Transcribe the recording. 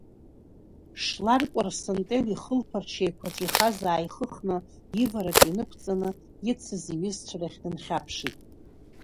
Шлар Кәарсантел ихылԥарч еиқәаҵәа ихаз ааихыхны, ивараҿ инықәҵаны, ицыз иҩызцәа рахь дынхьаԥшит.